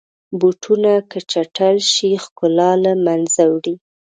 بوټونه که چټل شي، ښکلا له منځه وړي.